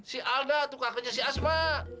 si alda tuh kakaknya si asma